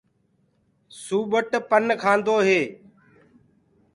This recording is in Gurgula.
سوپٽ پن کآندو هي۔